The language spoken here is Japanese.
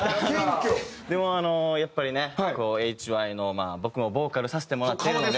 でもやっぱりねＨＹの僕もボーカルさせてもらってるので。